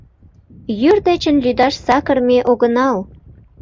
Йӱр дечын лӱдаш сакыр ме огынал.